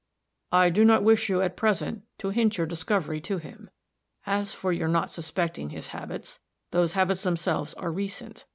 "I do not wish you, at present, to hint your discovery to him. As for your not suspecting his habits, those habits themselves are recent.